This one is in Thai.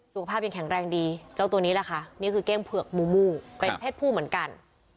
สุขภาพยังแข็งแรงดีเจ้าตัวนี้แหละค่ะนี่คือเก้งเผือกมูมูเป็นเพศผู้เหมือนกัน